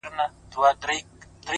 په يبلو پښو روان سو-